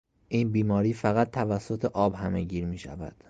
این بیماری فقط توسط آب همهگیر میشود.